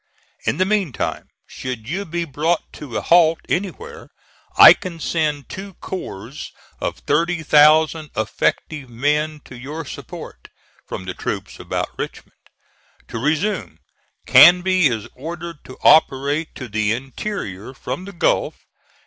In the meantime, should you be brought to a halt anywhere, I can send two corps of thirty thousand effective men to your support, from the troops about Richmond. To resume: Canby is ordered to operate to the interior from the Gulf.